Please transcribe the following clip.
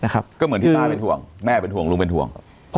ก็เหมือนที่ป้าเป็นห่วงแม่เป็นห่วงลุงเป็นห่วง